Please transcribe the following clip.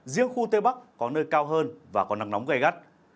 riêng khu tây bắc có nơi cao hơn và có nắng nóng gây gắt